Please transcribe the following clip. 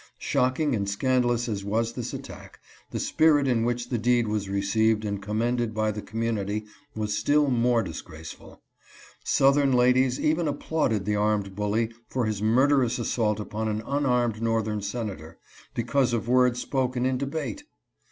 Shocking and scandalous as was this attack, the spirit in which the deed was received and commended by the community was still more disgraceful. Southern ladies even ap plauded the armed bully for his murderous assault upon an unarmed northern Senator, because of words spoken in debate